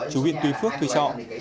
chủ viện tùy phước thùy trọ